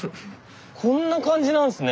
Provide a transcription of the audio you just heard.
こんな感じなんすね。